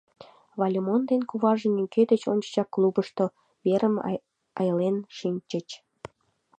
Выльымон ден куваже нигӧ деч ончычак клубышто верым айлен шинчыч.